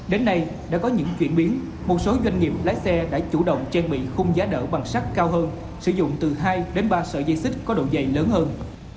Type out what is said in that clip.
đến nay đã có những chuyển biến một số doanh nghiệp lái xe đã chủ động trang bị khung giá đỡ bằng sắt cao hơn sử dụng từ hai đến ba sợi dây xích có độ dày lớn hơn